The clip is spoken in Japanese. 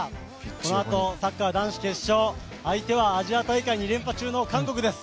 このあとサッカー男子決勝、相手は大会２連覇中の韓国です。